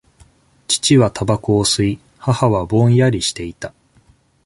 父はたばこを吸い、母はぼんやりしていた。